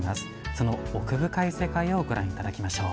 その奥深い世界をご覧頂きましょう。